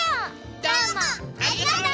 どうもありがとう！